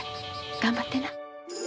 頑張ってな。